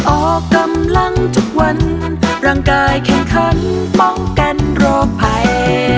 ออกกำลังทุกวันร่างกายแข่งขันป้องกันโรคภัย